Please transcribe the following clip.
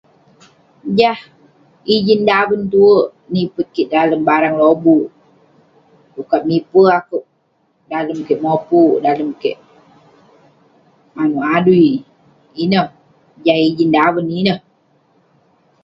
jah ijin daven tu'ek nipet kik dalem barang lobuk sukat mipe akeuk dalem kik mopuk dalem kik maneuk adui ineh jah ijin daven ineh